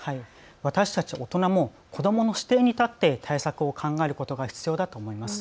私たち大人も子どもの視点に立って対策を考えることが必要だと思います。